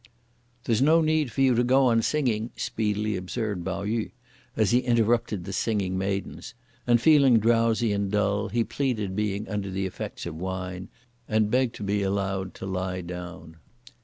"There's no need for you to go on singing," speedily observed Pao yü, as he interrupted the singing maidens; and feeling drowsy and dull, he pleaded being under the effects of wine, and begged to be allowed to lie down.